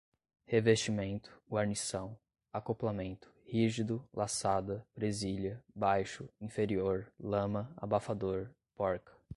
revestimento, guarnição, acoplamento, rígido, laçada, presilha, baixo, inferior, lama, abafador, porca